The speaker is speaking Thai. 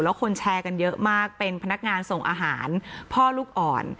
แล้วคนแชร์กันเยอะมากเป็นพนักงานส่งอาหารพ่อลูกอ่อน